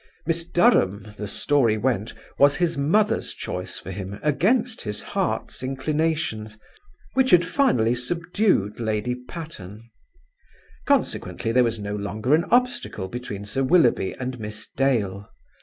Miss Durham, the story went, was his mother's choice for him against his heart's inclinations; which had finally subdued Lady Patterne. Consequently, there was no longer an obstacle between Sir Willoughby and Miss Dale.